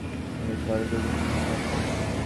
আমাদের শহরগুলো কি নিরাপদ?